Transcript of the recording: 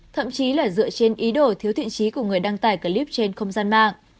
thậm chí là dựa trên ý đồ thiếu thiện trí của người đăng tải clip trên không gian mạng